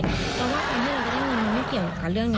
เพราะว่าการที่เราจะได้เงินมันไม่เกี่ยวกับเรื่องนี้